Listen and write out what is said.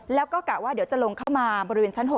แล้วก็กะว่าเดี๋ยวจะลงเข้ามาบริเวณชั้น๖